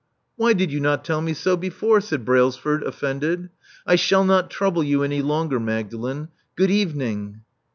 Why did you not tell me so before?" said Brails ford, offended. I shall not trouble you any longer, Magdalen. Good evening.